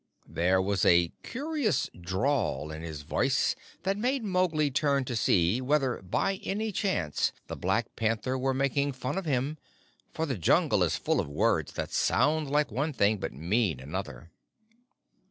There was a curious drawl in the voice that made Mowgli turn to see whether by any chance the Black Panther were making fun of him, for the Jungle is full of words that sound like one thing, but mean another.